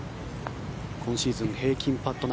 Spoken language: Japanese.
今シーズン平均パット